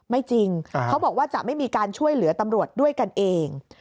ไม่จริงเขาบอกว่าจะไม่มีการช่วยเหลือตำรวจด้วยกันเอง